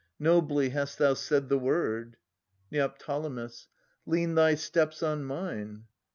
Nobly hast thou said the word. Neo. Lean thy steps on mine.